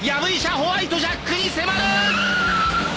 ホワイトジャックに迫る！